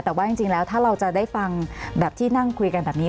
แต่ว่าจริงแล้วถ้าเราจะได้ฟังแบบที่นั่งคุยกันแบบนี้